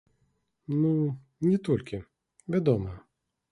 Ну, не толькі, вядома.